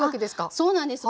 あっそうなんです。